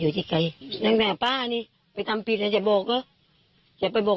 ไม่มีใครรับหรอกทำผิดอะไรก็ไม่รับหรอก